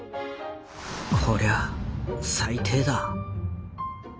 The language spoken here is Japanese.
「こりゃ最低だ」。